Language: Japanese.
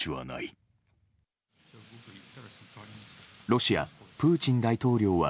ロシア、プーチン大統領は。